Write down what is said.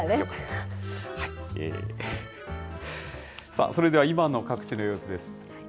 さあ、それでは今の各地の様子です。